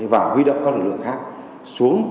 và huy động các lực lượng khác xuống